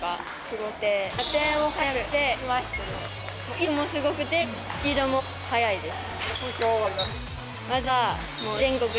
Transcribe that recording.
威力もすごくてスピードも速いです。